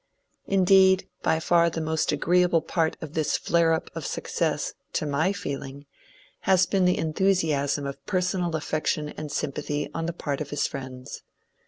Indeed, by far the most agreeable part of this flare up of success, to my feeling, has been the enthusiasm of personal aCFection and sympathy on the part of his friends.